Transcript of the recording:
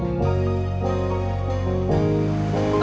aduh aduh aduh